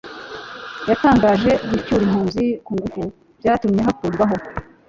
yatangaje gucyura impunzi ku ngufu byatumye hakurwaho